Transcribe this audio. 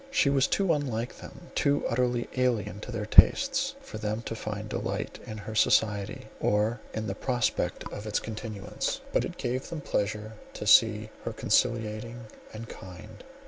She was too unlike them, too utterly alien to their tastes, for them to find delight in her society, or in the prospect of its continuance, but it gave them pleasure to see her conciliating and kind.